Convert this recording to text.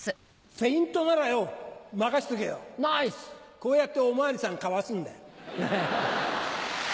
こうやっておまわりさんかわすんだよ。